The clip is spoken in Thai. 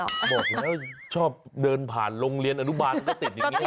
บอกแล้วชอบเดินผ่านโรงเรียนอนุบาลก็ติดอย่างนี้ห